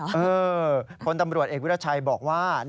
เออพลตำรวจเอกวิรัชัยบอกว่า